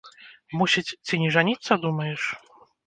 Мусіць, ці не жаніцца думаеш?